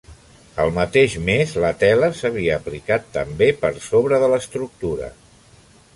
Al mateix mes, la tela s'havia aplicat també per sobre de l'estructura.